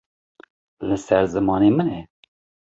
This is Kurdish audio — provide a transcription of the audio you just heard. Li ser zimanê min e.